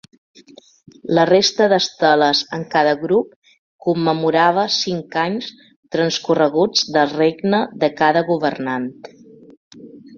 La resta d'esteles en cada grup commemorava cinc anys transcorreguts del regne de cada governant.